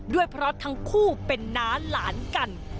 ด้วยเพราะทั้งคู่เป็นน้าหลานกัน